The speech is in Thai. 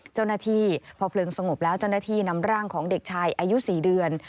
เจ้าหน้าที่พอเพลิงสงบแล้วเจ้าหน้าที่นำร่างของเด็กชายอายุ๔เดือน